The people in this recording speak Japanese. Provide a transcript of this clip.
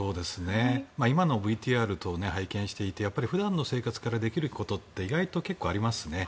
今のＶＴＲ等拝見していて普段の生活からできることって意外と結構ありますね。